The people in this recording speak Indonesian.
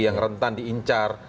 yang rentan diincar